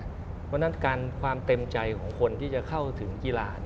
เพราะฉะนั้นการความเต็มใจของคนที่จะเข้าถึงกีฬา